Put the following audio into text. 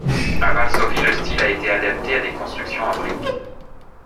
À Varsovie le style a été adapté à des constructions en briques.